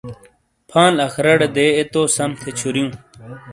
فال آخارا ڑے دے اے تو سم تھے چھوریوں۔